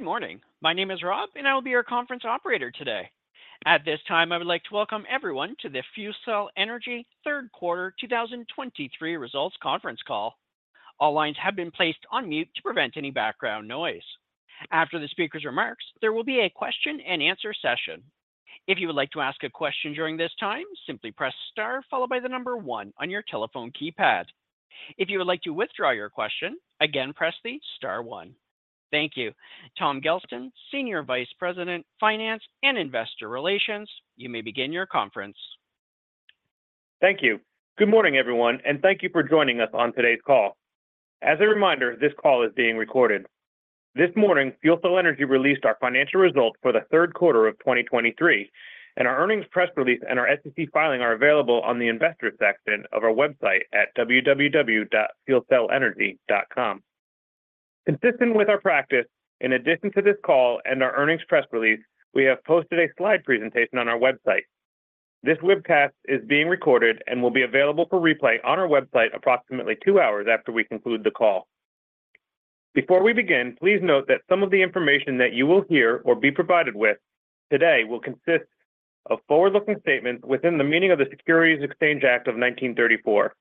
Good morning. My name is Rob, and I will be your conference operator today. At this time, I would like to welcome everyone to the FuelCell Energy Third Quarter 2023 Results Conference Call. All lines have been placed on mute to prevent any background noise. After the speaker's remarks, there will be a question and answer session. If you would like to ask a question during this time, simply press star followed by the number one on your telephone keypad. If you would like to withdraw your question, again, press the star one. Thank you. Tom Gelston, Senior Vice President, Finance and Investor Relations, you may begin your conference. Thank you. Good morning, everyone, and thank you for joining us on today's call. As a reminder, this call is being recorded. This morning, FuelCell Energy released our financial results for the third quarter of 2023, and our earnings press release and our SEC filing are available on the investor section of our website at www.fuelcellenergy.com. Consistent with our practice, in addition to this call and our earnings press release, we have posted a slide presentation on our website. This webcast is being recorded and will be available for replay on our website approximately two hours after we conclude the call. Before we begin, please note that some of the information that you will hear or be provided with today will consist of forward-looking statements within the meaning of the Securities Exchange Act of 1934.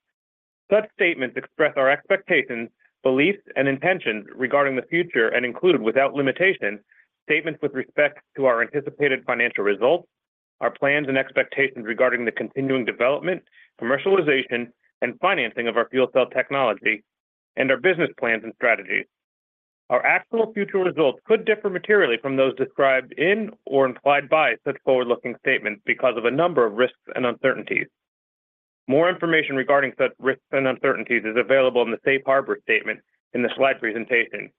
Such statements express our expectations, beliefs, and intentions regarding the future and include, without limitation, statements with respect to our anticipated financial results, our plans and expectations regarding the continuing development, commercialization, and financing of our fuel cell technology, and our business plans and strategies. Our actual future results could differ materially from those described in or implied by such forward-looking statements because of a number of risks and uncertainties. More information regarding such risks and uncertainties is available in the Safe Harbor statement in the slide presentation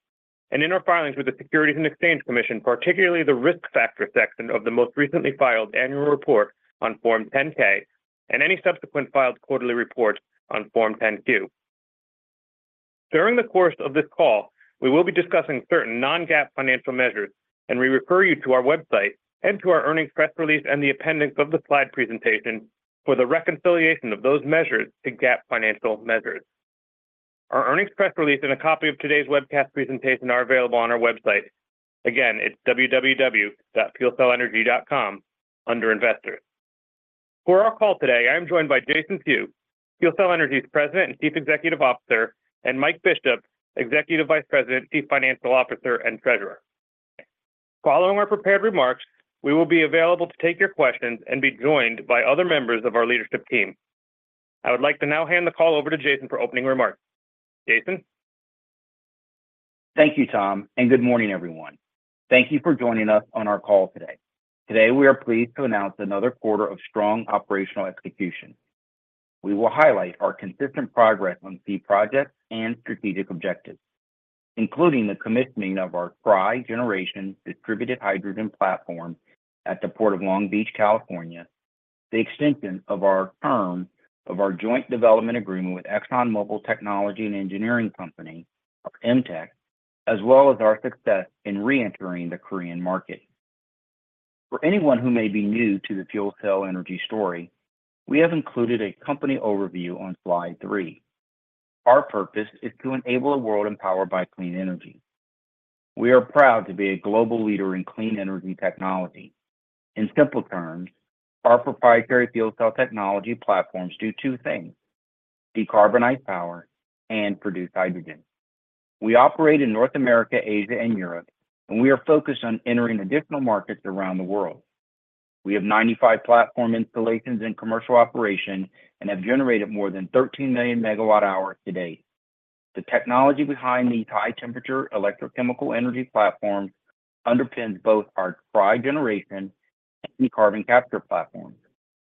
and in our filings with the Securities and Exchange Commission, particularly the Risk Factor section of the most recently filed annual report on Form 10-K and any subsequent filed quarterly report on Form 10-Q. During the course of this call, we will be discussing certain non-GAAP financial measures, and we refer you to our website and to our earnings press release and the appendix of the slide presentation for the reconciliation of those measures to GAAP financial measures. Our earnings press release and a copy of today's webcast presentation are available on our website. Again, it's www.fuelcellenergy.com under Investors. For our call today, I am joined by Jason Few, FuelCell Energy's President and Chief Executive Officer, and Mike Bishop, Executive Vice President, Chief Financial Officer, and Treasurer. Following our prepared remarks, we will be available to take your questions and be joined by other members of our leadership team. I would like to now hand the call over to Jason for opening remarks. Jason? Thank you, Tom, and good morning, everyone. Thank you for joining us on our call today. Today, we are pleased to announce another quarter of strong operational execution. We will highlight our consistent progress on key projects and strategic objectives, including the commissioning of our Tri-gen Distributed Hydrogen platform at the Port of Long Beach, California, the extension of our term of our joint development agreement with ExxonMobil Technology and Engineering Company, or EMTEC, as well as our success in reentering the Korean market. For anyone who may be new to the FuelCell Energy story, we have included a company overview on slide three. Our purpose is to enable a world empowered by clean energy. We are proud to be a global leader in clean energy technology. In simple terms, our proprietary fuel cell technology platforms do two things: decarbonize power and produce hydrogen. We operate in North America, Asia, and Europe, and we are focused on entering additional markets around the world. We have 95 platform installations in commercial operation and have generated more than 13 million MWh to date. The technology behind these high-temperature electrochemical energy platforms underpins both our Tri-generation and the carbon capture platforms,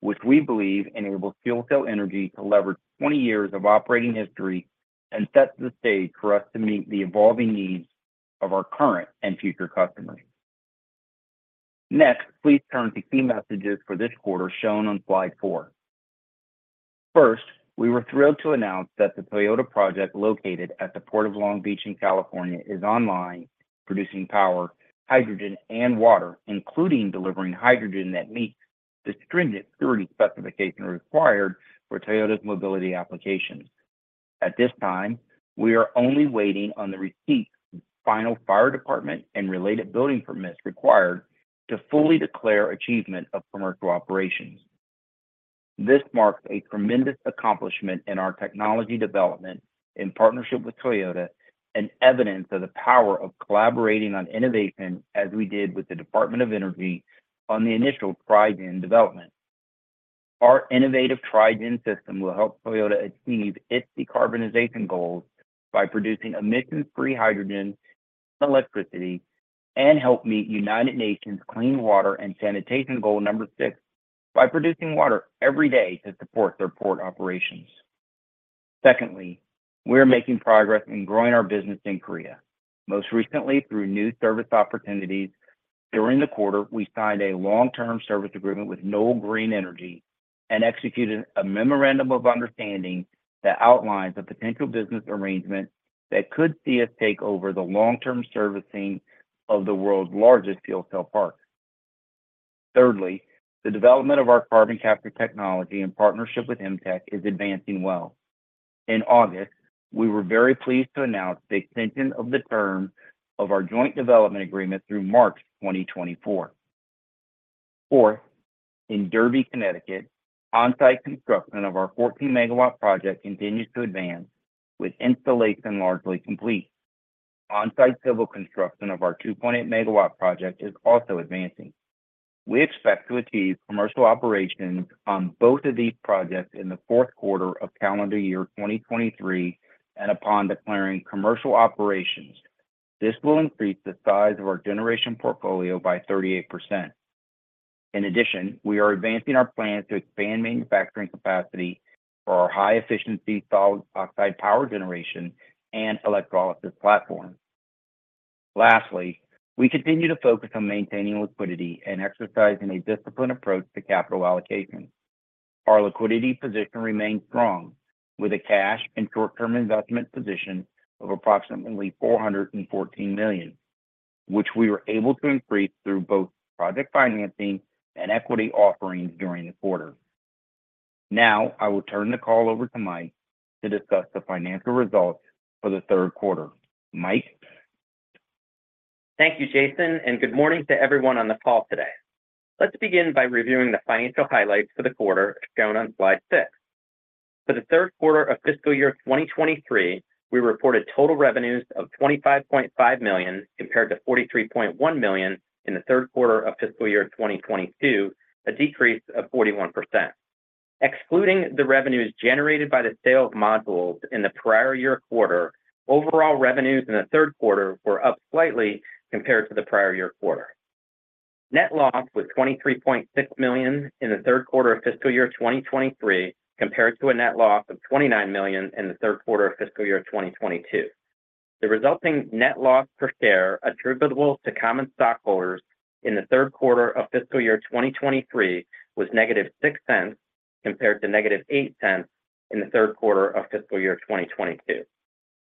which we believe enables FuelCell Energy to leverage 20 years of operating history and sets the stage for us to meet the evolving needs of our current and future customers. Next, please turn to key messages for this quarter, shown on slide four. First, we were thrilled to announce that the Toyota project located at the Port of Long Beach in California is online, producing power, hydrogen, and water, including delivering hydrogen that meets the stringent purity specification required for Toyota's mobility applications. At this time, we are only waiting on the receipt, final fire department, and related building permits required to fully declare achievement of commercial operations. This marks a tremendous accomplishment in our technology development in partnership with Toyota and evidence of the power of collaborating on innovation, as we did with the Department of Energy on the initial Tri-Gen development. Our innovative Tri-Gen system will help Toyota achieve its decarbonization goals by producing emissions-free hydrogen and electricity, and help meet United Nations Clean Water and Sanitation Goal number six by producing water every day to support their port operations. Secondly, we are making progress in growing our business in Korea, most recently through new service opportunities. During the quarter, we signed a long-term service agreement with Noeul Green Energy and executed a memorandum of understanding that outlines a potential business arrangement that could see us take over the long-term servicing of the world's largest fuel cell park. Thirdly, the development of our carbon capture technology in partnership with EMTEC is advancing well. In August, we were very pleased to announce the extension of the term of our joint development agreement through March 2024. Fourth, in Derby, Connecticut, on-site construction of our 14 MW project continues to advance, with installation largely complete. On-site civil construction of our 2.8 MW project is also advancing. We expect to achieve commercial operations on both of these projects in the fourth quarter of calendar year 2023, and upon declaring commercial operations. This will increase the size of our generation portfolio by 38%. In addition, we are advancing our plans to expand manufacturing capacity for our high-efficiency solid oxide power generation and electrolysis platform. Lastly, we continue to focus on maintaining liquidity and exercising a disciplined approach to capital allocation. Our liquidity position remains strong, with a cash and short-term investment position of approximately $414 million, which we were able to increase through both project financing and equity offerings during the quarter. Now, I will turn the call over to Mike to discuss the financial results for the third quarter. Mike? Thank you, Jason, and good morning to everyone on the call today. Let's begin by reviewing the financial highlights for the quarter as shown on slide six. For the third quarter of fiscal year 2023, we reported total revenues of $25.5 million, compared to $43.1 million in the third quarter of fiscal year 2022, a decrease of 41%. Excluding the revenues generated by the sale of modules in the prior year quarter, overall revenues in the third quarter were up slightly compared to the prior year quarter. Net loss was $23.6 million in the third quarter of fiscal year 2023, compared to a net loss of $29 million in the third quarter of fiscal year 2022. The resulting net loss per share attributable to common stockholders in the third quarter of fiscal year 2023 was -$0.06, compared to -$0.08 in the third quarter of fiscal year 2022.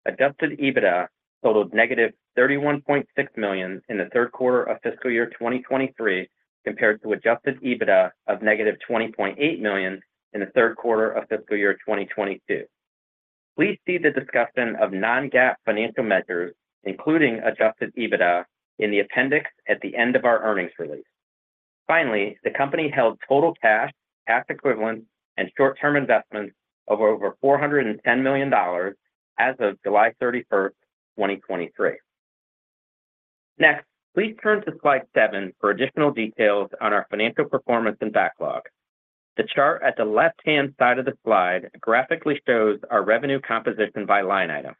Adjusted EBITDA totaled -$31.6 million in the third quarter of fiscal year 2023, compared to adjusted EBITDA of -$20.8 million in the third quarter of fiscal year 2022. Please see the discussion of non-GAAP financial measures, including adjusted EBITDA, in the appendix at the end of our earnings release. Finally, the company held total cash, cash equivalents, and short-term investments of over $410 million as of July 31, 2023. Next, please turn to slide seven for additional details on our financial performance and backlog. The chart at the left-hand side of the slide graphically shows our revenue composition by line item.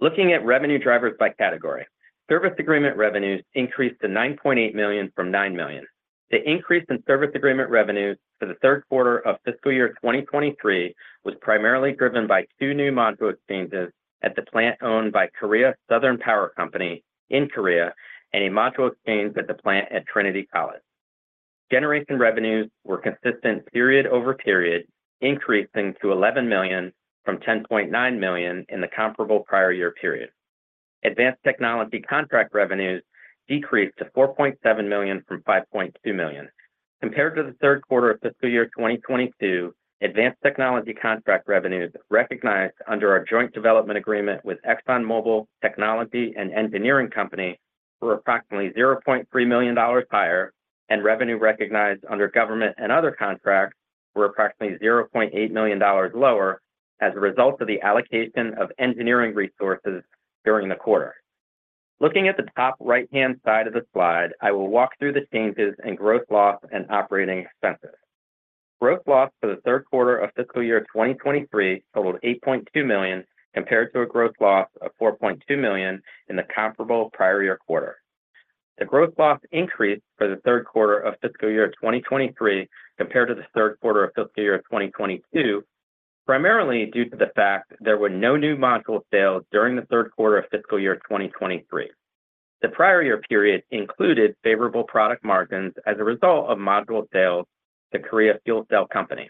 Looking at revenue drivers by category, service agreement revenues increased to $9.8 million from $9 million. The increase in service agreement revenues for the third quarter of fiscal year 2023 was primarily driven by two new module exchanges at the plant owned by Korea Southern Power Company in Korea and a module exchange at the plant at Trinity College. Generation revenues were consistent period-over-period, increasing to $11 million from $10.9 million in the comparable prior year period. Advanced technology contract revenues decreased to $4.7 million from $5.2 million. Compared to the third quarter of fiscal year 2022, advanced technology contract revenues recognized under our joint development agreement with ExxonMobil Technology and Engineering Company were approximately $0.3 million higher, and revenue recognized under government and other contracts were approximately $0.8 million lower as a result of the allocation of engineering resources during the quarter. Looking at the top right-hand side of the slide, I will walk through the changes in gross loss and operating expenses. Gross loss for the third quarter of fiscal year 2023 totaled $8.2 million, compared to a gross loss of $4.2 million in the comparable prior year quarter. The gross loss increased for the third quarter of fiscal year 2023 compared to the third quarter of fiscal year 2022, primarily due to the fact there were no new module sales during the third quarter of fiscal year 2023. The prior year period included favorable product margins as a result of module sales to Korea Fuel Cell Company.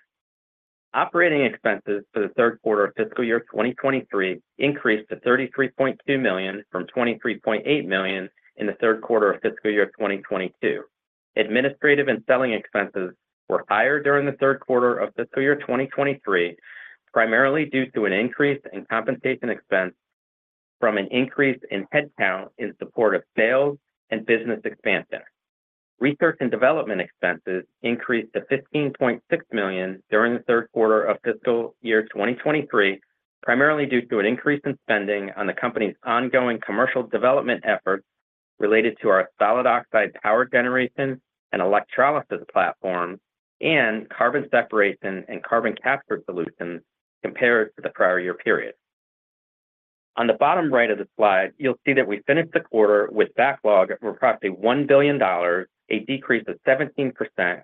Operating expenses for the third quarter of fiscal year 2023 increased to $33.2 million from $23.8 million in the third quarter of fiscal year 2022. Administrative and selling expenses were higher during the third quarter of fiscal year 2023, primarily due to an increase in compensation expense from an increase in headcount in support of sales and business expansion. Research and development expenses increased to $15.6 million during the third quarter of fiscal year 2023, primarily due to an increase in spending on the company's ongoing commercial development efforts related to our solid oxide power generation and electrolysis platform and carbon separation and carbon capture solutions compared to the prior year period. On the bottom right of the slide, you'll see that we finished the quarter with backlog at approximately $1 billion, a decrease of 17%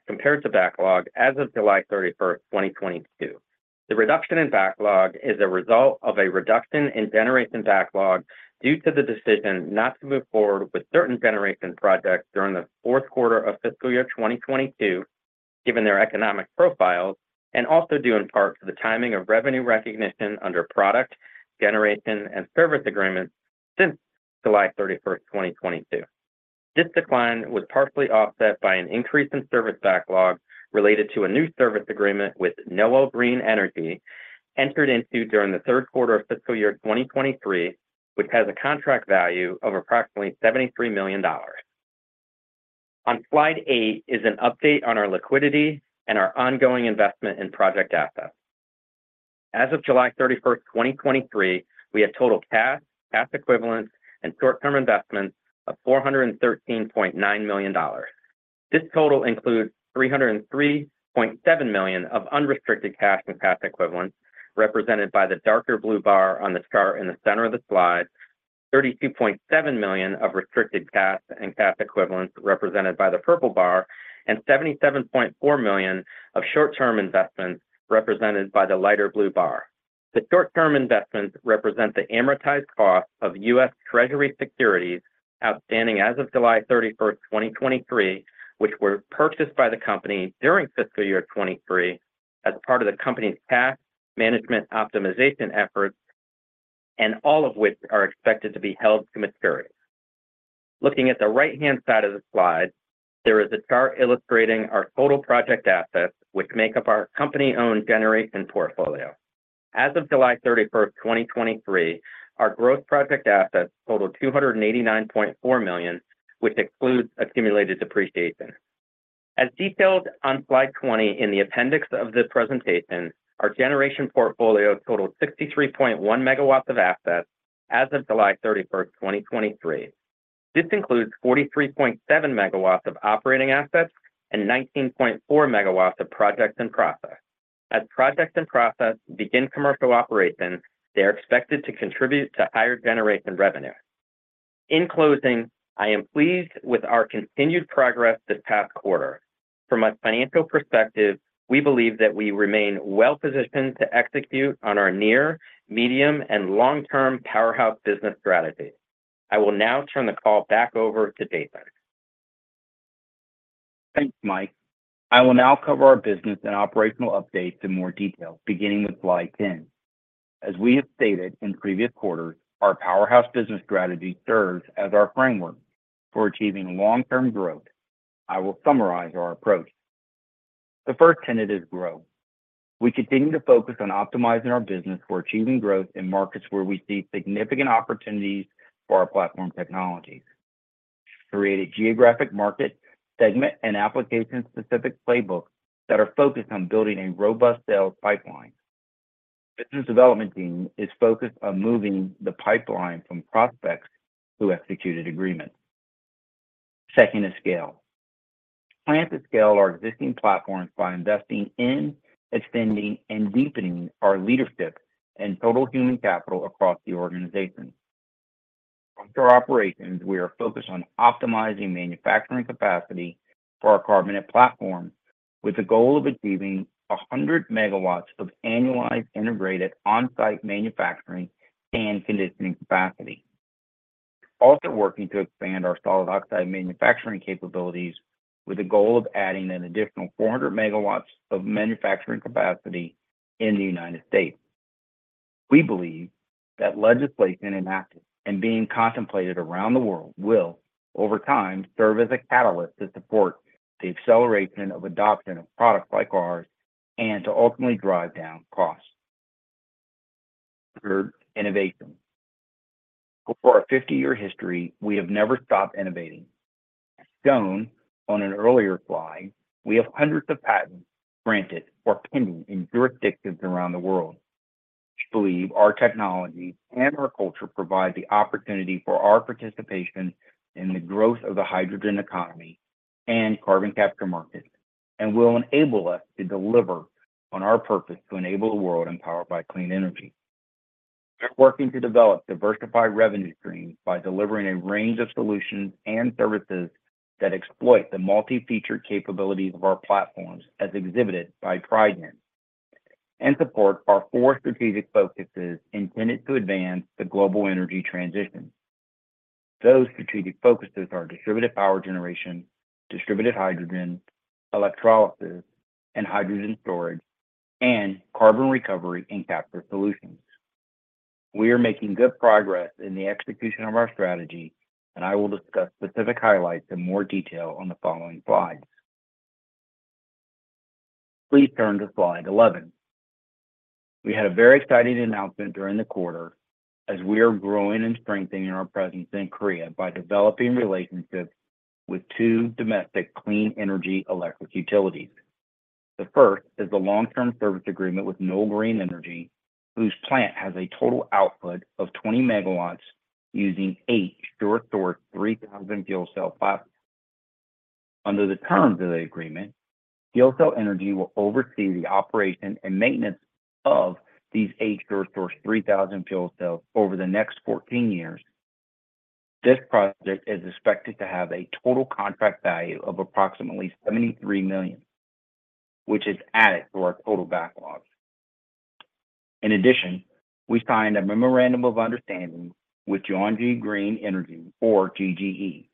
compared to backlog as of July 31, 2022. The reduction in backlog is a result of a reduction in generation backlog due to the decision not to move forward with certain generation projects during the fourth quarter of fiscal year 2022. Given their economic profiles, and also due in part to the timing of revenue recognition under product generation and service agreements since July 31, 2022. This decline was partially offset by an increase in service backlog related to a new service agreement with Noeul Green Energy, entered into during the third quarter of fiscal year 2023, which has a contract value of approximately $73 million. On slide eight is an update on our liquidity and our ongoing investment in project assets. As of July 31, 2023, we had total cash, cash equivalents, and short-term investments of $413.9 million. This total includes $303.7 million of unrestricted cash and cash equivalents, represented by the darker blue bar on the chart in the center of the slide, $32.7 million of restricted cash and cash equivalents, represented by the purple bar, and $77.4 million of short-term investments, represented by the lighter blue bar. The short-term investments represent the amortized cost of U.S. Treasury securities outstanding as of July 31, 2023, which were purchased by the company during fiscal year 2023 as part of the company's cash management optimization efforts, and all of which are expected to be held to maturity. Looking at the right-hand side of the slide, there is a chart illustrating our total project assets, which make up our company-owned generation portfolio. As of July 31, 2023, our growth project assets totaled $289.4 million, which excludes accumulated depreciation. As detailed on slide 20 in the appendix of this presentation, our generation portfolio totaled 63.1 MW of assets as of July 31, 2023. This includes 43.7 MW of operating assets and 19.4 MW of projects in process. As projects in process begin commercial operation, they are expected to contribute to higher generation revenue. In closing, I am pleased with our continued progress this past quarter. From a financial perspective, we believe that we remain well positioned to execute on our near, medium, and long-term Powerhouse business strategy. I will now turn the call back over to Jason. Thanks, Mike. I will now cover our business and operational updates in more detail, beginning with slide 10. As we have stated in previous quarters, our Powerhouse business strategy serves as our framework for achieving long-term growth. I will summarize our approach. The first tenet is growth. We continue to focus on optimizing our business for achieving growth in markets where we see significant opportunities for our platform technologies. We created geographic market segment and application-specific playbooks that are focused on building a robust sales pipeline. Business development team is focused on moving the pipeline from prospects to executed agreements. Second is scale. Plan to scale our existing platforms by investing in, extending, and deepening our leadership and total human capital across the organization. On our operations, we are focused on optimizing manufacturing capacity for our carbonate platforms, with the goal of achieving 100 megawatts of annualized, integrated, on-site manufacturing and conditioning capacity. Also working to expand our solid oxide manufacturing capabilities with the goal of adding an additional 400 megawatts of manufacturing capacity in the United States. We believe that legislation enacted and being contemplated around the world will, over time, serve as a catalyst to support the acceleration of adoption of products like ours and to ultimately drive down costs. Third, innovation. For our 50-year history, we have never stopped innovating. As shown on an earlier slide, we have hundreds of patents granted or pending in jurisdictions around the world. We believe our technology and our culture provide the opportunity for our participation in the growth of the hydrogen economy and carbon capture markets, and will enable us to deliver on our purpose to enable the world and power by clean energy. We're working to develop diversified revenue streams by delivering a range of solutions and services that exploit the multi-featured capabilities of our platforms, as exhibited by Tri-gen, and support our four strategic focuses intended to advance the global energy transition. Those strategic focuses are distributed power generation, distributed hydrogen, electrolysis, and hydrogen storage, and carbon recovery and capture solutions. We are making good progress in the execution of our strategy, and I will discuss specific highlights in more detail on the following slides. Please turn to slide 11. We had a very exciting announcement during the quarter, as we are growing and strengthening our presence in Korea by developing relationships with two domestic clean energy electric utilities. The first is the long-term service agreement with Noeul Green Energy, whose plant has a total output of 20 MW using eight SureSource 3000 fuel cell platforms. Under the terms of the agreement, FuelCell Energy will oversee the operation and maintenance of these eight SureSource 3000 fuel cells over the next 14 years. This project is expected to have a total contract value of approximately $73 million, which is added to our total backlog. In addition, we signed a memorandum of understanding with Gyeonggi Green Energy, or GGE.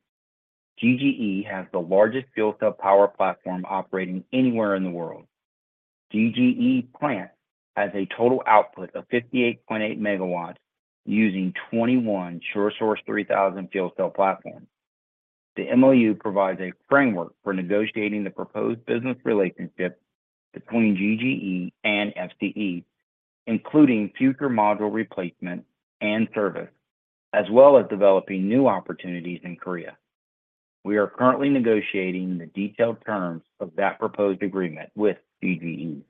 GGE has the largest fuel cell power platform operating anywhere in the world. GGE plant has a total output of 58.8 MW using 21 SureSource 3000 fuel cell platforms. The MOU provides a framework for negotiating the proposed business relationship between GGE and FCE, including future module replacement and service, as well as developing new opportunities in Korea. We are currently negotiating the detailed terms of that proposed agreement with GGE.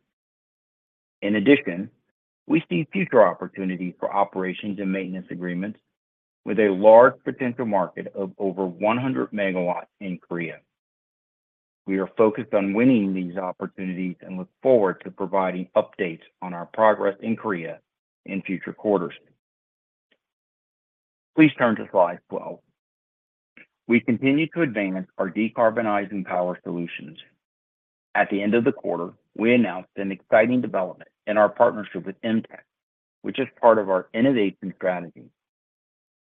In addition, we see future opportunities for operations and maintenance agreements with a large potential market of over 100 MW in Korea. We are focused on winning these opportunities and look forward to providing updates on our progress in Korea in future quarters. Please turn to slide 12. We continue to advance our decarbonizing power solutions. At the end of the quarter, we announced an exciting development in our partnership with EMTEC, which is part of our innovation strategy.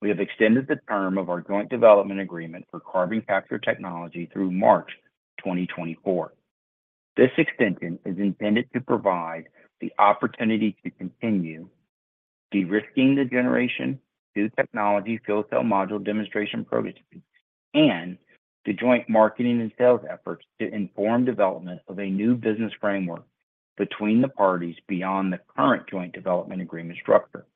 We have extended the term of our joint development agreement for carbon capture technology through March 2024. This extension is intended to provide the opportunity to continue de-risking the generation, new technology, fuel cell module demonstration projects, and the joint marketing and sales efforts to inform development of a new business framework between the parties beyond the current joint development agreement structure.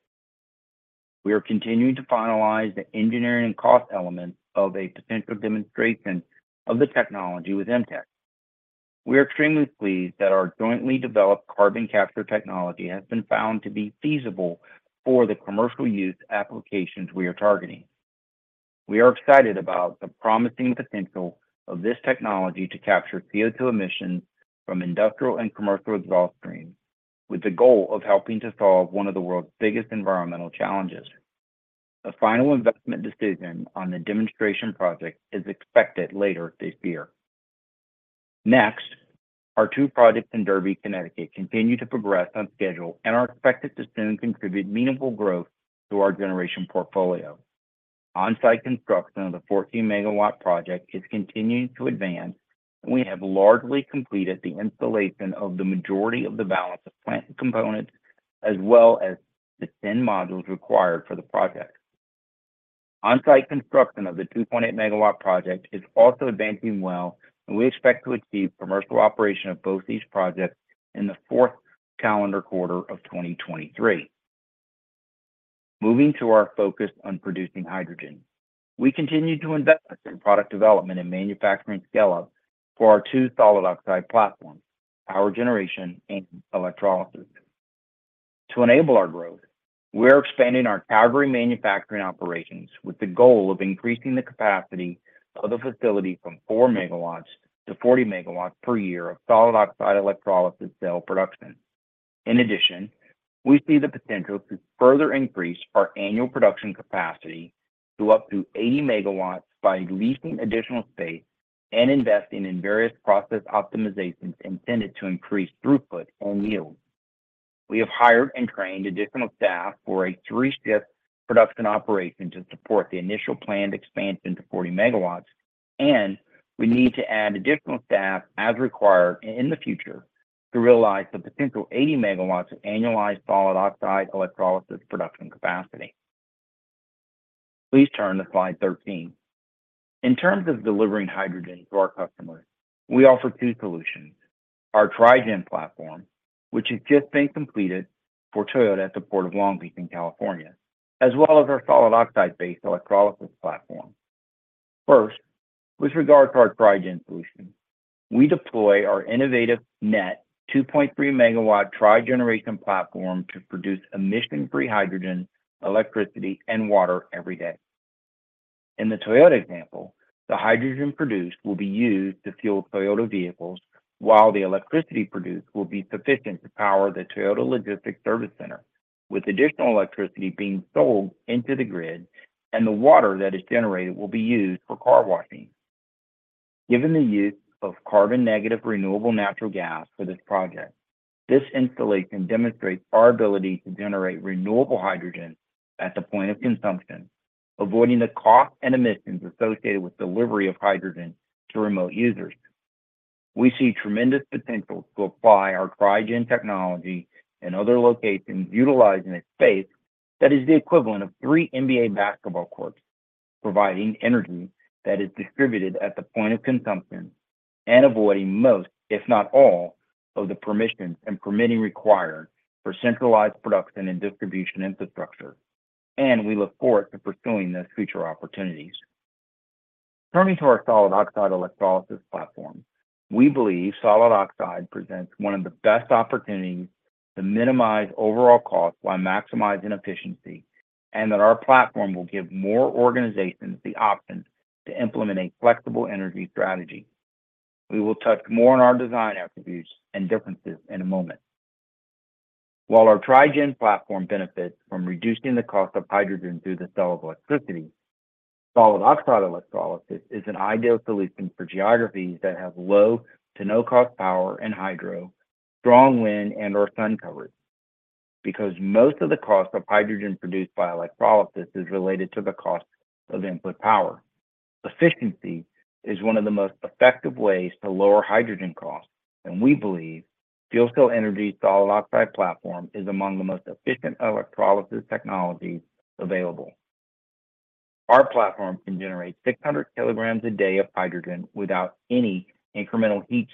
We are continuing to finalize the engineering and cost elements of a potential demonstration of the technology with EMTEC. We are extremely pleased that our jointly developed carbon capture technology has been found to be feasible for the commercial use applications we are targeting. We are excited about the promising potential of this technology to capture CO2 emissions from industrial and commercial exhaust streams, with the goal of helping to solve one of the world's biggest environmental challenges. A final investment decision on the demonstration project is expected later this year. Next, our two projects in Derby, Connecticut, continue to progress on schedule and are expected to soon contribute meaningful growth to our generation portfolio. On-site construction of the 14-MW project is continuing to advance. We have largely completed the installation of the majority of the balance of plant components, as well as the thin modules required for the project. On-site construction of the 2.8-MW project is also advancing well, and we expect to achieve commercial operation of both these projects in the fourth calendar quarter of 2023. Moving to our focus on producing hydrogen, we continue to invest in product development and manufacturing scale-up for our two solid oxide platforms, power generation and electrolysis. To enable our growth, we are expanding our Calgary manufacturing operations with the goal of increasing the capacity of the facility from 4 MW to 40 MW per year of solid oxide electrolysis cell production. In addition, we see the potential to further increase our annual production capacity to up to 80 MW by leasing additional space and investing in various process optimizations intended to increase throughput on yield. We have hired and trained additional staff for a 3-shift production operation to support the initial planned expansion to 40 MW, and we need to add additional staff as required in the future to realize the potential 80 MW of annualized solid oxide electrolysis production capacity. Please turn to slide 13. In terms of delivering hydrogen to our customers, we offer two solutions: our Tri-gen platform, which has just been completed for Toyota at the Port of Long Beach, California, as well as our solid oxide-based electrolysis platform. First, with regard to our Tri-gen solution, we deploy our innovative net 2.3 MW trigeneration platform to produce emission-free hydrogen, electricity, and water every day. In the Toyota example, the hydrogen produced will be used to fuel Toyota vehicles, while the electricity produced will be sufficient to power the Toyota Logistics Service Center, with additional electricity being sold into the grid, and the water that is generated will be used for car washing. Given the use of carbon-negative, renewable natural gas for this project, this installation demonstrates our ability to generate renewable hydrogen at the point of consumption, avoiding the cost and emissions associated with delivery of hydrogen to remote users. We see tremendous potential to apply our Tri-gen technology in other locations, utilizing a space that is the equivalent of three NBA basketball courts, providing energy that is distributed at the point of consumption and avoiding most, if not all, of the permissions and permitting required for centralized production and distribution infrastructure. And we look forward to pursuing those future opportunities. Turning to our solid oxide electrolysis platform, we believe solid oxide presents one of the best opportunities to minimize overall cost while maximizing efficiency, and that our platform will give more organizations the option to implement a flexible energy strategy. We will touch more on our design attributes and differences in a moment. While our Tri-gen platform benefits from reducing the cost of hydrogen through the sale of electricity. Solid oxide electrolysis is an ideal solution for geographies that have low to no cost power and hydro, strong wind, and or sun coverage. Because most of the cost of hydrogen produced by electrolysis is related to the cost of input power. Efficiency is one of the most effective ways to lower hydrogen costs, and we believe FuelCell Energy's solid oxide platform is among the most efficient electrolysis technologies available. Our platform can generate 600 kilograms a day of hydrogen without any incremental heat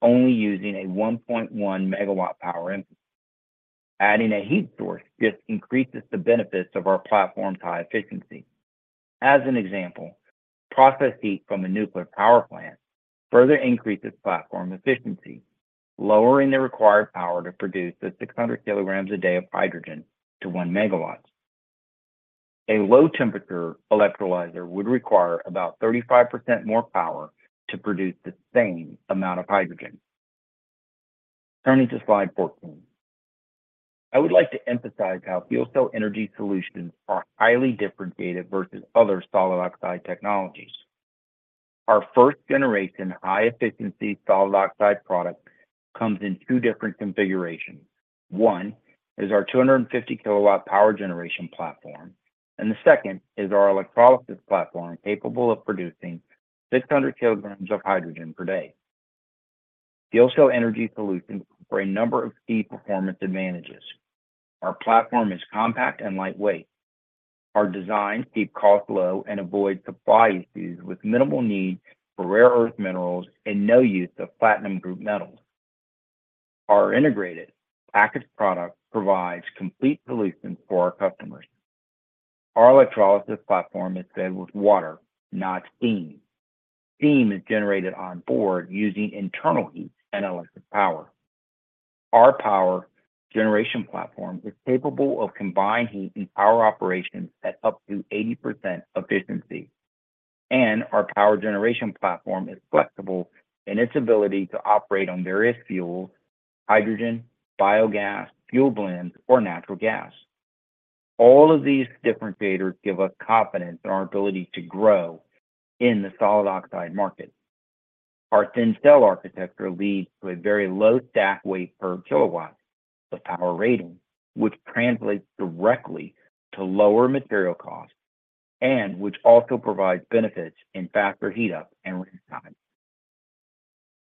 source, only using a 1.1 MW power input. Adding a heat source just increases the benefits of our platform's high efficiency. As an example, process heat from a nuclear power plant further increases platform efficiency, lowering the required power to produce the 600 kilograms a day of hydrogen to 1 MW. A low temperature electrolyzer would require about 35% more power to produce the same amount of hydrogen. Turning to slide 14, I would like to emphasize how FuelCell Energy solutions are highly differentiated versus other solid oxide technologies. Our first-generation, high-efficiency solid oxide product comes in two different configurations. One is our 250 kW power generation platform, and the second is our electrolysis platform, capable of producing 600 kilograms of hydrogen per day. FuelCell Energy solutions offer a number of key performance advantages. Our platform is compact and lightweight. Our designs keep costs low and avoid supply issues with minimal need for rare earth minerals and no use of platinum group metals. Our integrated package product provides complete solutions for our customers. Our electrolysis platform is fed with water, not steam. Steam is generated on board using internal heat and electric power. Our power generation platform is capable of combined heat and power operations at up to 80% efficiency, and our power generation platform is flexible in its ability to operate on various fuels, hydrogen, biogas, fuel blends, or natural gas. All of these differentiators give us confidence in our ability to grow in the solid oxide market. Our thin cell architecture leads to a very low stack weight per kilowatt of power rating, which translates directly to lower material costs and which also provides benefits in faster heat up and runtime.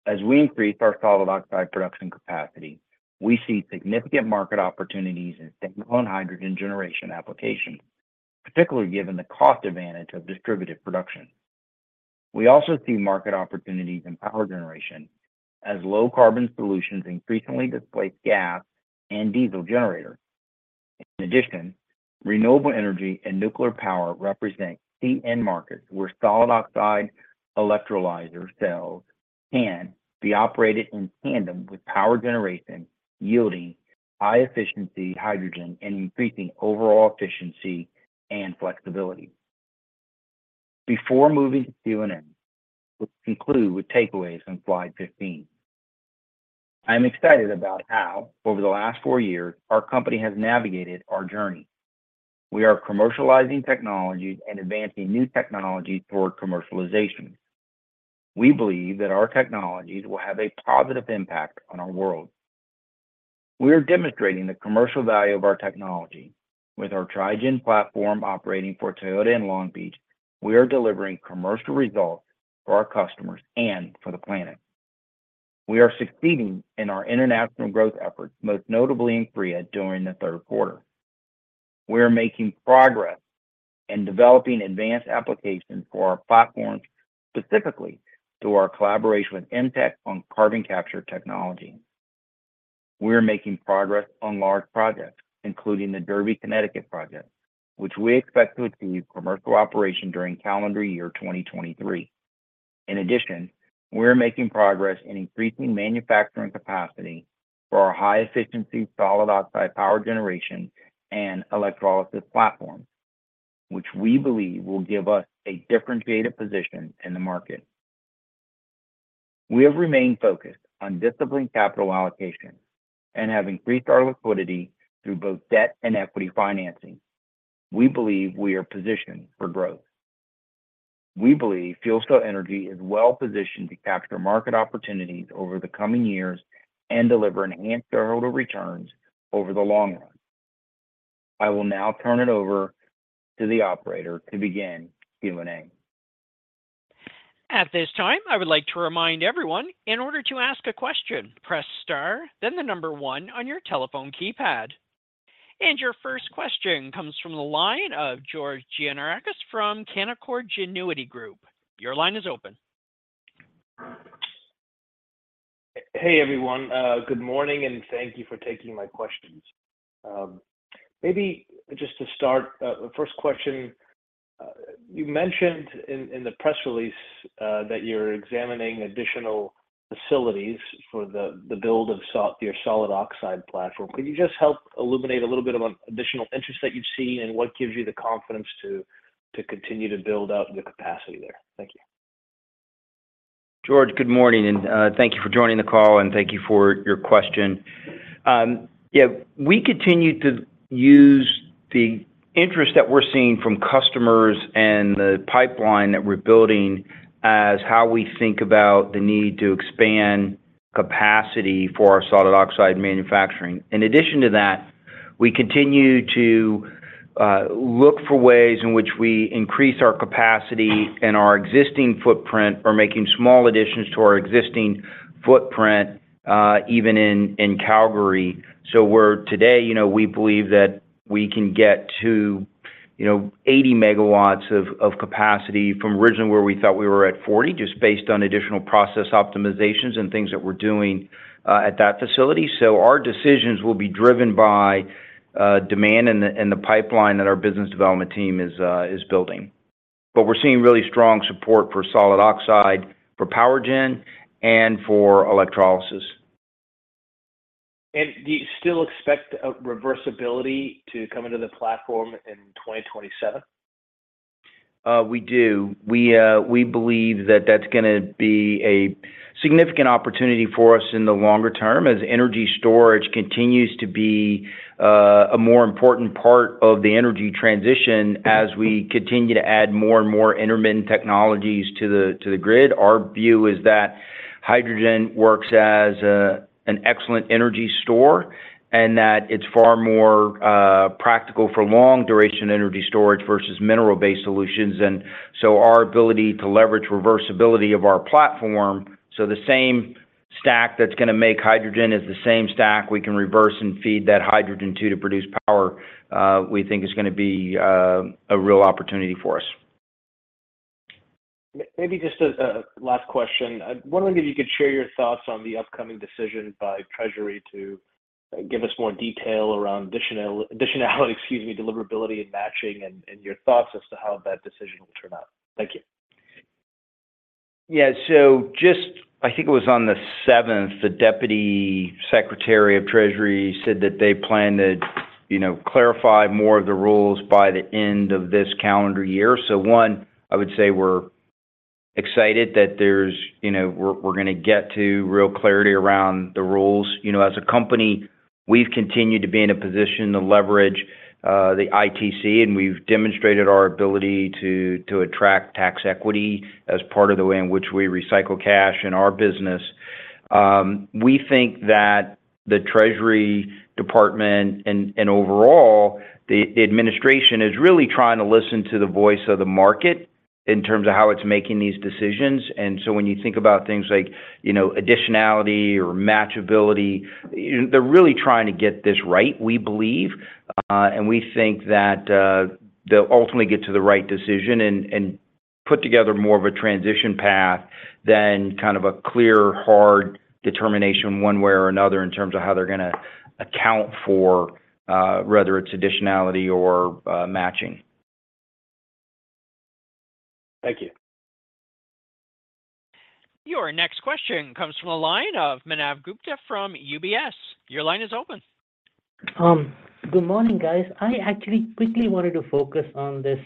As we increase our solid oxide production capacity, we see significant market opportunities in standalone hydrogen generation applications, particularly given the cost advantage of distributed production. We also see market opportunities in power generation as low carbon solutions increasingly displace gas and diesel generators. In addition, renewable energy and nuclear power represent key-end markets where solid oxide electrolyzer cells can be operated in tandem with power generation, yielding high efficiency hydrogen and increasing overall efficiency and flexibility. Before moving to Q&A, let's conclude with takeaways on slide 15. I am excited about how, over the last four years, our company has navigated our journey. We are commercializing technologies and advancing new technologies toward commercialization. We believe that our technologies will have a positive impact on our world. We are demonstrating the commercial value of our technology. With our Tri-gen platform operating for Toyota in Long Beach, we are delivering commercial results for our customers and for the planet. We are succeeding in our international growth efforts, most notably in Korea during the third quarter. We are making progress in developing advanced applications for our platforms, specifically through our collaboration with EMTEC on carbon capture technology. We are making progress on large projects, including the Derby, Connecticut project, which we expect to achieve commercial operation during calendar year 2023. In addition, we are making progress in increasing manufacturing capacity for our high-efficiency, solid oxide power generation and electrolysis platforms, which we believe will give us a differentiated position in the market. We have remained focused on disciplined capital allocation and have increased our liquidity through both debt and equity financing. We believe we are positioned for growth. We believe FuelCell Energy is well positioned to capture market opportunities over the coming years and deliver enhanced shareholder returns over the long run. I will now turn it over to the operator to begin Q&A. At this time, I would like to remind everyone, in order to ask a question, press star, then the number one on your telephone keypad. Your first question comes from the line of George Gianarikas from Canaccord Genuity Group. Your line is open. Hey, everyone, good morning, and thank you for taking my questions. Maybe just to start, the first question, you mentioned in the press release that you're examining additional facilities for the build of your solid oxide platform. Could you just help illuminate a little bit about additional interest that you've seen and what gives you the confidence to continue to build out the capacity there? Thank you. George, good morning, and thank you for joining the call, and thank you for your question. Yeah, we continue to use the interest that we're seeing from customers and the pipeline that we're building as how we think about the need to expand capacity for our solid oxide manufacturing. In addition to that, we continue to look for ways in which we increase our capacity and our existing footprint, or making small additions to our existing footprint, even in Calgary. So today, you know, we believe that we can get to, you know, 80 MW of capacity from originally where we thought we were at 40, just based on additional process optimizations and things that we're doing at that facility. So our decisions will be driven by demand and the pipeline that our business development team is building. But we're seeing really strong support for solid oxide, for power gen, and for electrolysis. Do you still expect a reversibility to come into the platform in 2027? We do. We believe that that's gonna be a significant opportunity for us in the longer term, as energy storage continues to be a more important part of the energy transition as we continue to add more and more intermittent technologies to the grid. Our view is that hydrogen works as an excellent energy store, and that it's far more practical for long-duration energy storage versus mineral-based solutions. So our ability to leverage reversibility of our platform, so the same stack that's gonna make hydrogen is the same stack we can reverse and feed that hydrogen to produce power, we think is gonna be a real opportunity for us. Maybe just a last question. I'm wondering if you could share your thoughts on the upcoming decision by Treasury to give us more detail around additionality, excuse me, deliverability and matching, and your thoughts as to how that decision will turn out. Thank you. Yeah. I think it was on the seventh, the Deputy Secretary of the Treasury said that they plan to, you know, clarify more of the rules by the end of this calendar year. So one, I would say we're excited that there's, you know, we're gonna get to real clarity around the rules. You know, as a company, we've continued to be in a position to leverage the ITC, and we've demonstrated our ability to attract tax equity as part of the way in which we recycle cash in our business. We think that the Treasury Department and overall, the administration is really trying to listen to the voice of the market in terms of how it's making these decisions. And so when you think about things like, you know, additionality or matchability, they're really trying to get this right, we believe. We think that they'll ultimately get to the right decision and put together more of a transition path than kind of a clear, hard determination one way or another, in terms of how they're gonna account for whether it's additionality or matching. Thank you. Your next question comes from the line of Manav Gupta from UBS. Your line is open. Good morning, guys. I actually quickly wanted to focus on this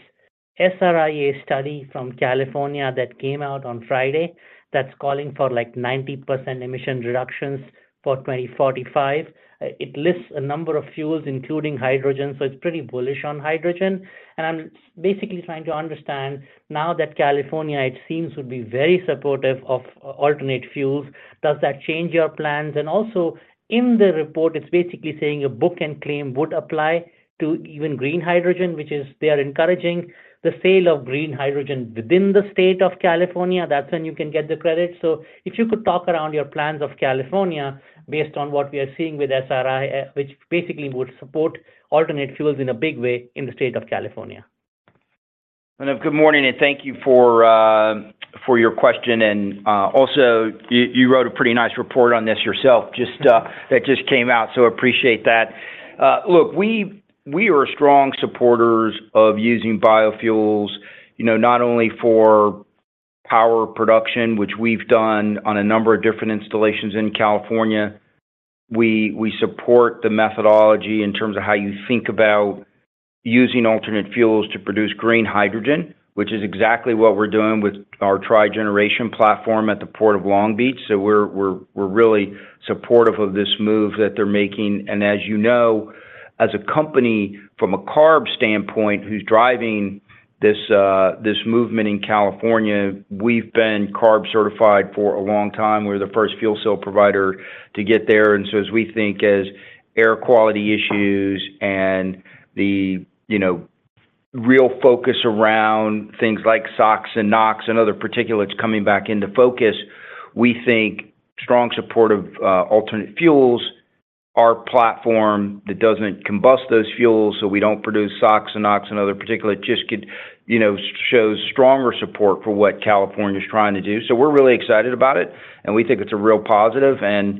SRIA study from California that came out on Friday, that's calling for, like, 90% emission reductions for 2045. It lists a number of fuels, including hydrogen, so it's pretty bullish on hydrogen. And I'm basically trying to understand, now that California, it seems, would be very supportive of alternate fuels, does that change your plans? And also, in the report, it's basically saying a book and claim would apply to even green hydrogen, which is they are encouraging the sale of green hydrogen within the state of California. That's when you can get the credit. So if you could talk around your plans of California, based on what we are seeing with SRIA, which basically would support alternate fuels in a big way in the state of California. Manav, good morning, and thank you for your question. And also, you wrote a pretty nice report on this yourself, just that just came out, so appreciate that. Look, we are strong supporters of using biofuels, you know, not only for power production, which we've done on a number of different installations in California. We support the methodology in terms of how you think about using alternate fuels to produce green hydrogen, which is exactly what we're doing with our trigeneration platform at the Port of Long Beach. So we're really supportive of this move that they're making. And as you know, as a company, from a CARB standpoint, who's driving this movement in California, we've been CARB-certified for a long time. We're the first fuel cell provider to get there. So as we think about air quality issues and the, you know, real focus around things like SOx and NOx and other particulates coming back into focus, we think strong support of alternate fuels, our platform that doesn't combust those fuels, so we don't produce SOx and NOx and other particulates, just could, you know, show stronger support for what California is trying to do. So we're really excited about it, and we think it's a real positive, and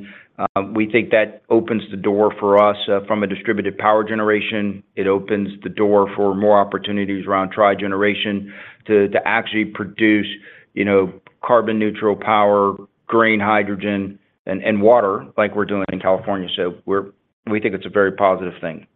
we think that opens the door for us. From a distributed power generation, it opens the door for more opportunities around trigeneration to actually produce, you know, carbon neutral power, green hydrogen, and water, like we're doing in California. So we think it's a very positive thing.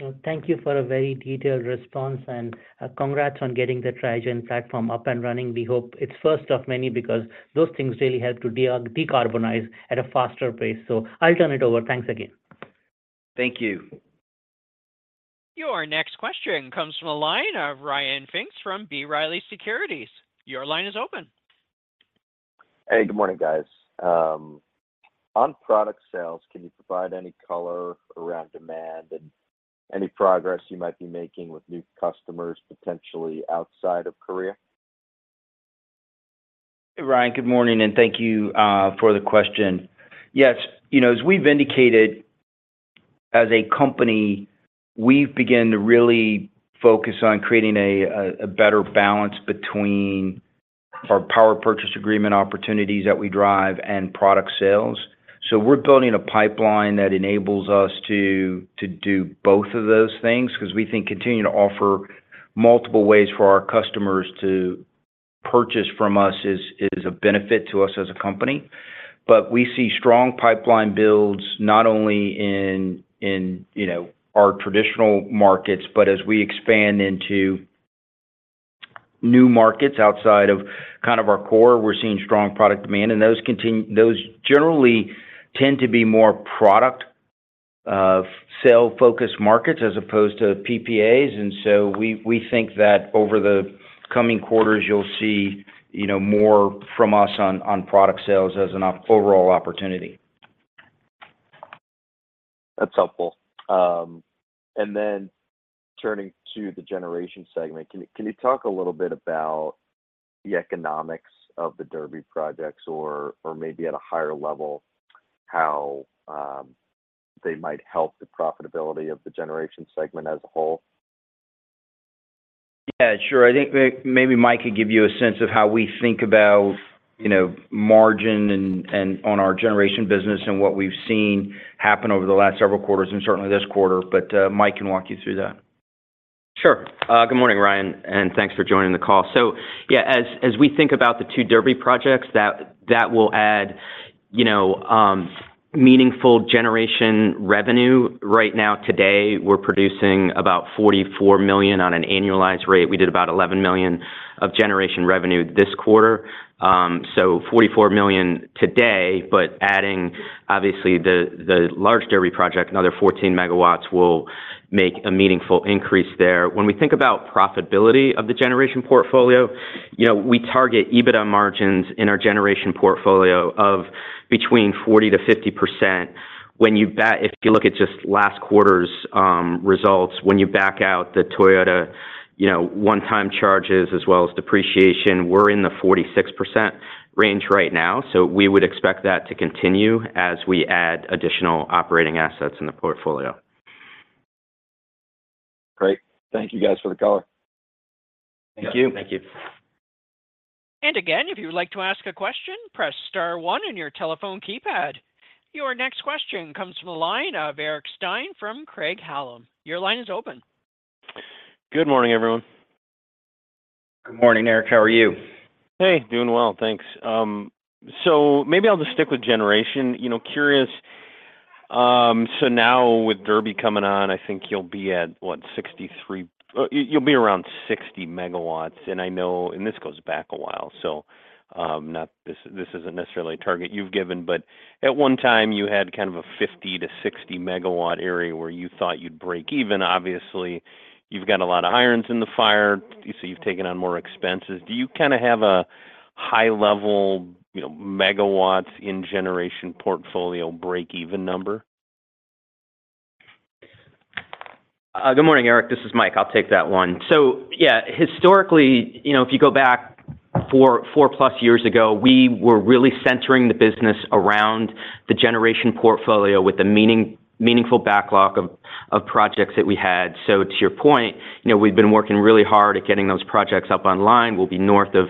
Well, thank you for a very detailed response, and congrats on getting the Tri-gen platform up and running. We hope it's first of many, because those things really help to de-carbonize at a faster pace. So I'll turn it over. Thanks again. Thank you. Your next question comes from the line of Ryan Pfingst from B. Riley Securities. Your line is open. Hey, good morning, guys. On product sales, can you provide any color around demand and any progress you might be making with new customers, potentially outside of Korea? Hey, Ryan, good morning, and thank you for the question. Yes, you know, as we've indicated, as a company, we've begun to really focus on creating a better balance between our power purchase agreement opportunities that we drive and product sales. So we're building a pipeline that enables us to do both of those things, 'cause we think continuing to offer multiple ways for our customers to purchase from us is a benefit to us as a company. But we see strong pipeline builds, not only in you know, our traditional markets, but as we expand into new markets outside of kind of our core, we're seeing strong product demand, and those generally tend to be more product sale-focused markets as opposed to PPAs. And so we think that over the coming quarters, you'll see, you know, more from us on product sales as an overall opportunity. That's helpful. And then turning to the generation segment, can you talk a little bit about the economics of the Derby projects, or maybe at a higher level, how they might help the profitability of the generation segment as a whole? Yeah, sure. I think maybe Mike could give you a sense of how we think about, you know, margin and on our generation business and what we've seen happen over the last several quarters and certainly this quarter, but Mike can walk you through that. Sure. Good morning, Ryan, and thanks for joining the call. So, yeah, as we think about the two Derby projects, that will add, you know, meaningful generation revenue. Right now, today, we're producing about $44 million on an annualized rate. We did about $11 million of generation revenue this quarter. So $44 million today, but adding, obviously, the large Derby project, another 14 MW will make a meaningful increase there. When we think about profitability of the generation portfolio, you know, we target EBITDA margins in our generation portfolio of between 40%-50%. When you if you look at just last quarter's results, when you back out the Toyota, you know, one-time charges as well as depreciation, we're in the 46% range right now. We would expect that to continue as we add additional operating assets in the portfolio. Great. Thank you guys for the color. Thank you. Thank you. Again, if you would like to ask a question, press star one on your telephone keypad. Your next question comes from the line of Eric Stine from Craig-Hallum. Your line is open. Good morning, everyone. Good morning, Eric. How are you? Hey, doing well, thanks. So maybe I'll just stick with generation. You know, curious, so now with Derby coming on, I think you'll be at, what, 63, you'll be around 60 megawatts, and I know... And this goes back a while, so, not this, this isn't necessarily a target you've given, but at one time you had kind of a 50-60-megawatt area where you thought you'd break even. Obviously, you've got a lot of irons in the fire, so you've taken on more expenses. Do you kinda have a high-level, you know, megawatts in generation portfolio break-even number? Good morning, Eric. This is Mike. I'll take that one. So, yeah, historically, you know, if you go back four-plus years ago, we were really centering the business around the generation portfolio with the meaningful backlog of projects that we had. So to your point, you know, we've been working really hard at getting those projects up online. We'll be north of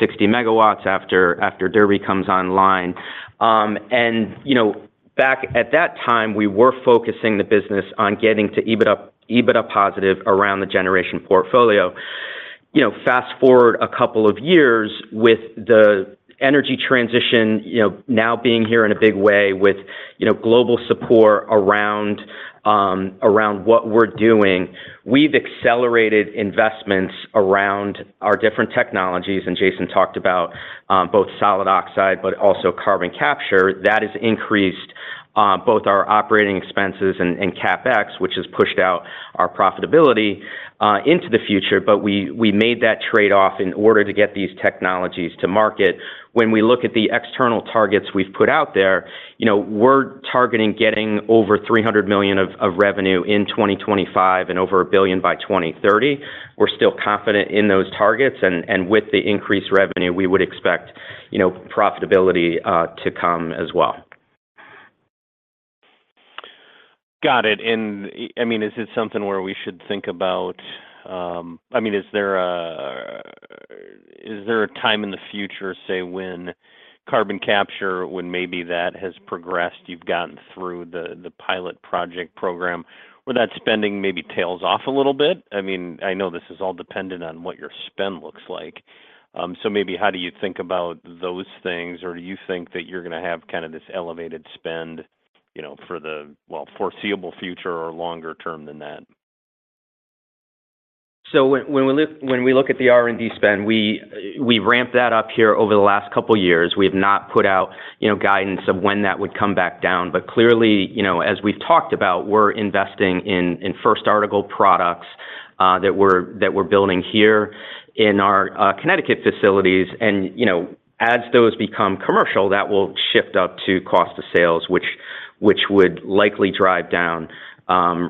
60 MW after Derby comes online. And, you know, back at that time, we were focusing the business on getting to EBITDA positive around the generation portfolio. You know, fast-forward a couple of years with the energy transition, you know, now being here in a big way with, you know, global support around what we're doing, we've accelerated investments around our different technologies, and Jason talked about both solid oxide, but also carbon capture. That has increased both our operating expenses and CapEx, which has pushed out our profitability into the future, but we made that trade-off in order to get these technologies to market. When we look at the external targets we've put out there, you know, we're targeting getting over $300 million of revenue in 2025 and over $1 billion by 2030. We're still confident in those targets, and with the increased revenue, we would expect, you know, profitability to come as well. Got it. I mean, is it something where we should think about, I mean, is there a time in the future, say, when carbon capture, when maybe that has progressed, you've gotten through the, the pilot project program, where that spending maybe tails off a little bit? I mean, I know this is all dependent on what your spend looks like. So maybe how do you think about those things, or do you think that you're gonna have kind of this elevated spend, you know, for the, well, foreseeable future or longer term than that? So when we look at the R&D spend, we've ramped that up here over the last couple years. We have not put out, you know, guidance of when that would come back down. But clearly, you know, as we've talked about, we're investing in first article products that we're building here in our Connecticut facilities. And, you know, as those become commercial, that will shift up to cost of sales, which would likely drive down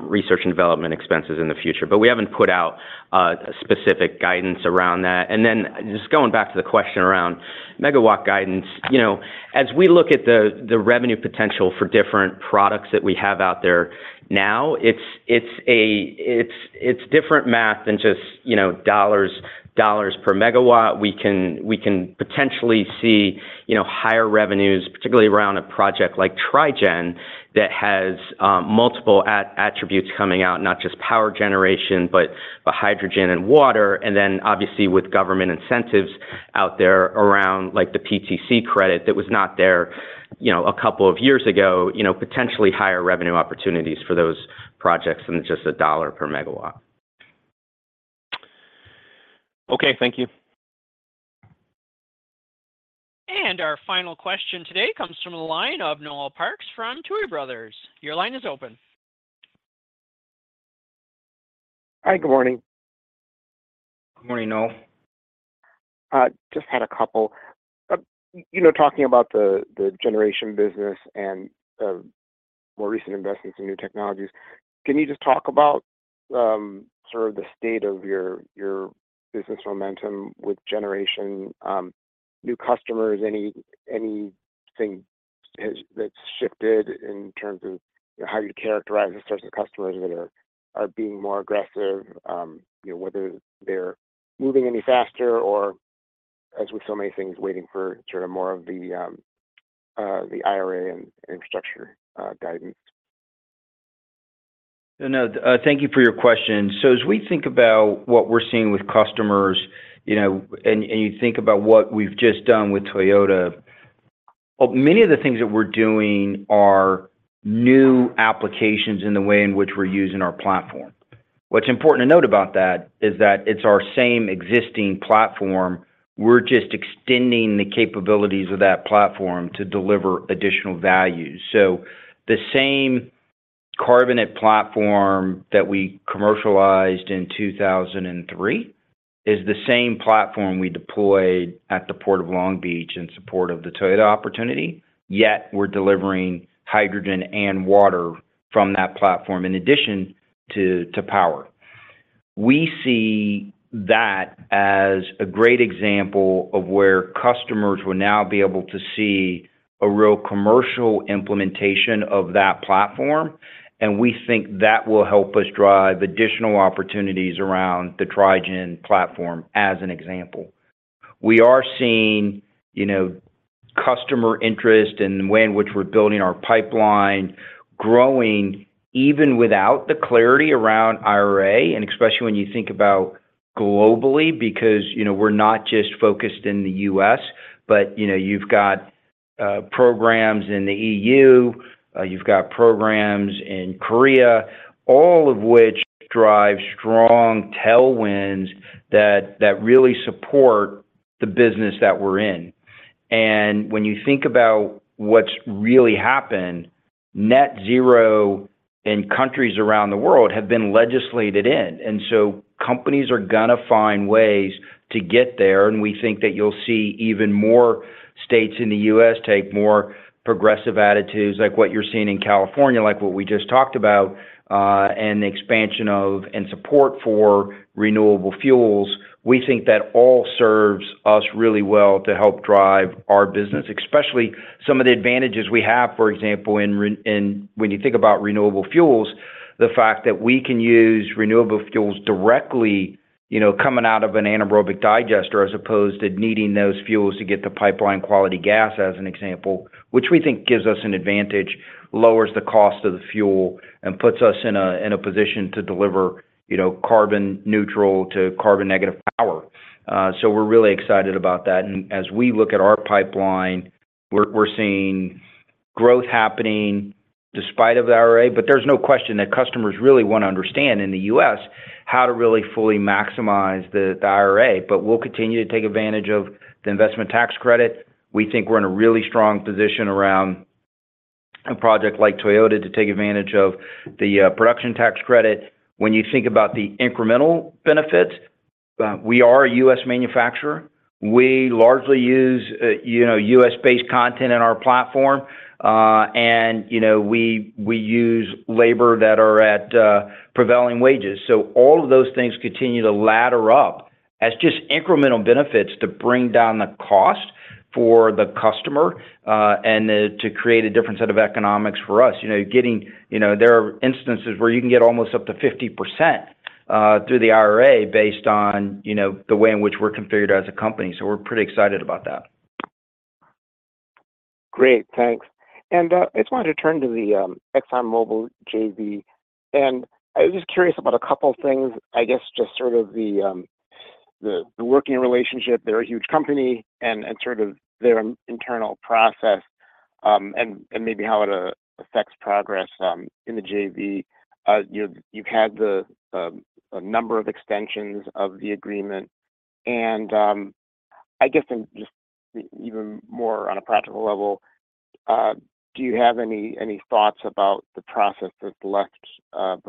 research and development expenses in the future. But we haven't put out a specific guidance around that. Then just going back to the question around megawatt guidance, you know, as we look at the revenue potential for different products that we have out there now, it's a different math than just, you know, dollars per megawatt. We can potentially see, you know, higher revenues, particularly around a project like Tri-gen, that has multiple attributes coming out, not just power generation, but hydrogen and water. And then obviously, with government incentives out there around, like the PTC credit, that was not there, you know, a couple of years ago, you know, potentially higher revenue opportunities for those projects than just $1 per megawatt. Okay, thank you. Our final question today comes from the line of Noel Parks from Tuohy Brothers. Your line is open. Hi, good morning. Good morning, Noel. Just had a couple. You know, talking about the generation business and the more recent investments in new technologies, can you just talk about sort of the state of your business momentum with generation, new customers, anything that's shifted in terms of how you'd characterize the types of customers that are being more aggressive? You know, whether they're moving any faster, or as with so many things, waiting for sort of more of the IRA and infrastructure guidance? No, no, thank you for your question. So as we think about what we're seeing with customers, you know, and, and you think about what we've just done with Toyota, well, many of the things that we're doing are new applications in the way in which we're using our platform. What's important to note about that is that it's our same existing platform, we're just extending the capabilities of that platform to deliver additional value. So the same carbonate platform that we commercialized in 2003 is the same platform we deployed at the Port of Long Beach in support of the Toyota opportunity, yet we're delivering hydrogen and water from that platform in addition to, to power. We see that as a great example of where customers will now be able to see a real commercial implementation of that platform, and we think that will help us drive additional opportunities around the Tri-gen platform as an example. We are seeing, you know, customer interest in the way in which we're building our pipeline, growing even without the clarity around IRA, and especially when you think about globally, because, you know, we're not just focused in the U.S., but, you know, you've got programs in the E.U., you've got programs in Korea, all of which drive strong tailwinds that really support the business that we're in. And when you think about what's really happened, net zero in countries around the world have been legislated in, and so companies are gonna find ways to get there. We think that you'll see even more states in the U.S. take more progressive attitudes, like what you're seeing in California, like what we just talked about, and the expansion of, and support for renewable fuels. We think that all serves us really well to help drive our business, especially some of the advantages we have, for example, in renewable fuels, the fact that we can use renewable fuels directly, you know, coming out of an anaerobic digester, as opposed to needing those fuels to get the pipeline-quality gas, as an example, which we think gives us an advantage, lowers the cost of the fuel, and puts us in a position to deliver, you know, carbon neutral to carbon negative power. So we're really excited about that. As we look at our pipeline, we're seeing growth happening despite of the IRA, but there's no question that customers really want to understand, in the U.S., how to really fully maximize the IRA. But we'll continue to take advantage of the Investment Tax Credit. We think we're in a really strong position around a project like Toyota to take advantage of the Production Tax Credit. When you think about the incremental benefits, we are a U.S. manufacturer. We largely use, you know, U.S.-based content in our platform, and, you know, we use labor that are at prevailing wages. So all of those things continue to ladder up as just incremental benefits to bring down the cost for the customer, and to create a different set of economics for us. You know, there are instances where you can get almost up to 50% through the IRA based on, you know, the way in which we're configured as a company. So we're pretty excited about that. Great, thanks. And, I just wanted to turn to the ExxonMobil JV, and I was just curious about a couple things, I guess just sort of the working relationship, they're a huge company, and sort of their internal process, and maybe how it affects progress in the JV. You've had a number of extensions of the agreement, and I guess in just even more on a practical level, do you have any thoughts about the process that's left in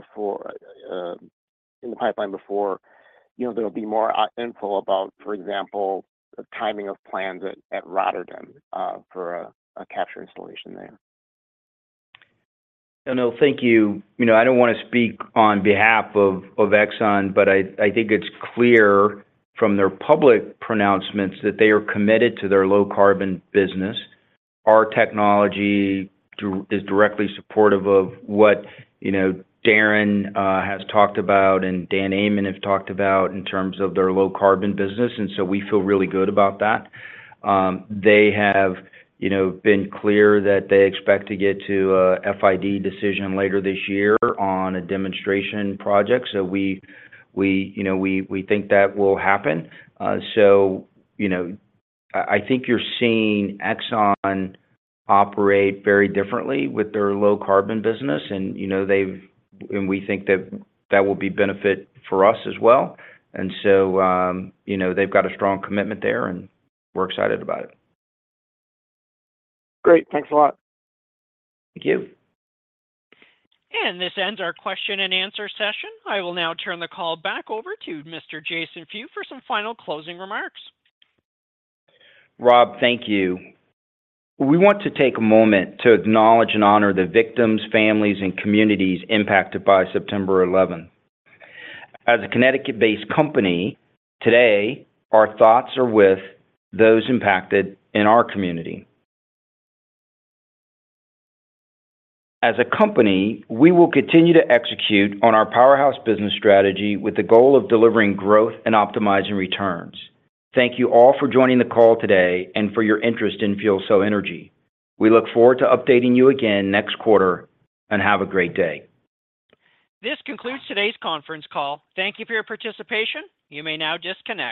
the pipeline before, you know, there'll be more info about, for example, the timing of plans at Rotterdam for a capture installation there? No, thank you. You know, I don't want to speak on behalf of Exxon, but I think it's clear from their public pronouncements that they are committed to their low carbon business. Our technology is directly supportive of what, you know, Darren has talked about and Dan Ammann have talked about in terms of their low carbon business, and so we feel really good about that. They have, you know, been clear that they expect to get to a FID decision later this year on a demonstration project. So we, you know, we think that will happen. So, you know, I think you're seeing Exxon operate very differently with their low carbon business and, you know, they've and we think that that will be benefit for us as well. You know, they've got a strong commitment there, and we're excited about it. Great. Thanks a lot. Thank you. This ends our question and answer session. I will now turn the call back over to Mr. Jason Few for some final closing remarks. Rob, thank you. We want to take a moment to acknowledge and honor the victims, families, and communities impacted by September 11. As a Connecticut-based company, today, our thoughts are with those impacted in our community. As a company, we will continue to execute on our Powerhouse business strategy with the goal of delivering growth and optimizing returns. Thank you all for joining the call today and for your interest in FuelCell Energy. We look forward to updating you again next quarter, and have a great day. This concludes today's conference call. Thank you for your participation. You may now disconnect.